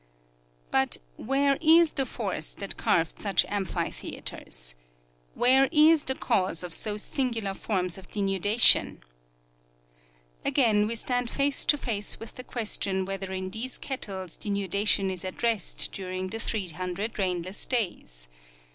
But where is the force that carved such amphitheaters ? Where is the cause of so singular forms of denudation? Again we stand face to face with the question whether in these kettles denudation is at rest during the 300 rainless days.